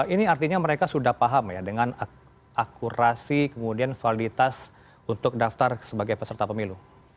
ini artinya mereka sudah paham ya dengan akurasi kemudian validitas untuk daftar sebagai peserta pemilu